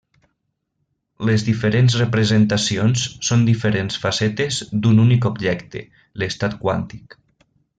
Les diferents representacions són diferents facetes d'un únic objecte, l'estat quàntic.